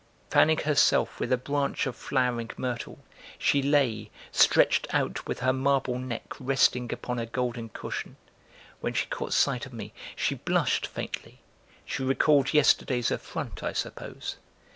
Fanning herself with a branch of flowering myrtle, she lay, stretched out with her marble neck resting upon a golden cushion. When she caught sight of me she blushed faintly; she recalled yesterday's affront, I suppose.